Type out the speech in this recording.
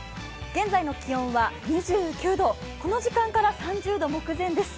現在の気温は２９度、この時間から３０度目前です。